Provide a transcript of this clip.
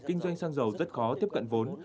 kinh doanh xăng dầu rất khó tiếp cận vốn